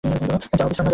যাও, বিশ্রাম নাও।